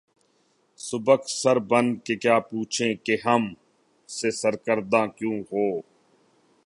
سبک سر بن کے کیا پوچھیں کہ ’’ ہم سے سر گراں کیوں ہو؟‘‘